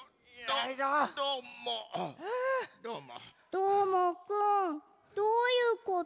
どーもくんどういうこと？